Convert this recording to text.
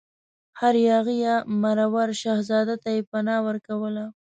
هر یاغي یا مرور شهزاده ته یې پناه ورکوله.